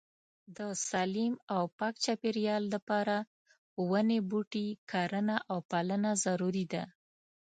د سالیم او پاک چاپيريال د پاره وني بوټي کرنه او پالنه ضروري ده